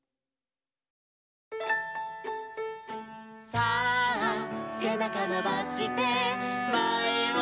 「さあせなかのばしてまえをむいて」